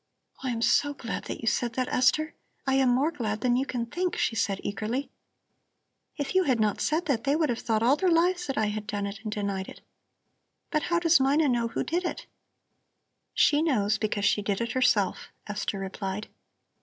"Oh, I am so glad that you said that, Esther; I am more glad than you can think," she said eagerly. "If you had not said that, they would have thought all their lives that I had done it and denied it. But how does Mina know who did it?" "She knows, because she did it herself," Esther replied.